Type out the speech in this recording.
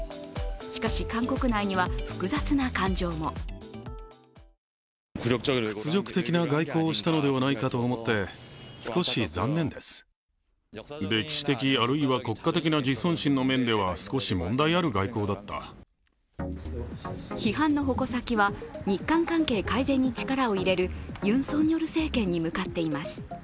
しかし、韓国内には複雑な感情も批判の矛先は日韓関係に力を入れるユン・ソンニョル政権に向かっています。